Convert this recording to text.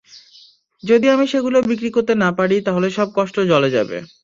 যদি আমি সেগুলো বিক্রি করতে না পারি তাহলে সব কষ্ট জলে যাবে।